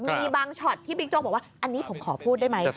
มีบางช็อตที่บิ๊กโจ๊กบอกว่าอันนี้ผมขอพูดได้ไหม